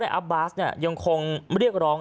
ในอับบาสนี่ยังคงเรียกร้อง